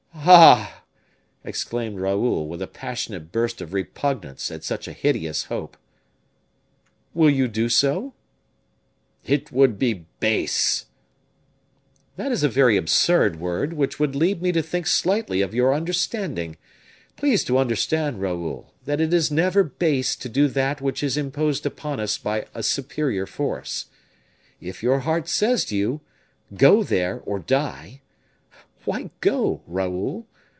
"Ah!" exclaimed Raoul, with a passionate burst of repugnance at such a hideous hope. "Will you do so?" "It would be base." "That is a very absurd word, which would lead me to think slightly of your understanding. Please to understand, Raoul, that it is never base to do that which is imposed upon us by a superior force. If your heart says to you, 'Go there, or die,' why go, Raoul.